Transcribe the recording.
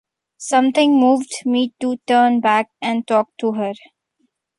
Something moved me to turn back and talk to her.